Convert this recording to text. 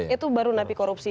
itu baru napi korupsi